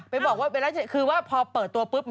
ไปบอกว่าเบลล่าเทคือว่าพอเปิดตัวปุ๊บ